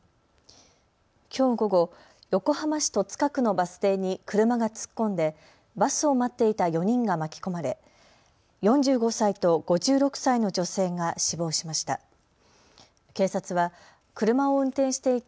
きょう午後、横浜市戸塚区のバス停に車が突っ込んでバスを待っていた４人が巻き込まれ４５歳と５６歳の女性が死亡しました。